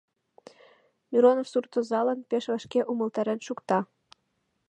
Миронов сурт озалан пеш вашке умылтарен шукта.